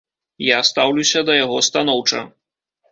Я стаўлюся да яго станоўча.